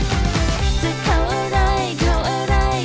จะเข้าอะไรเขาอะไร